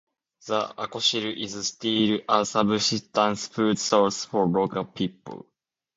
The "acocil" is still a subsistence food source for local people.